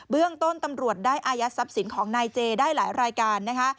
เรื่องต้นตำรวจได้อายัดทรัพย์สินของนายเจได้หลายรายการนะคะ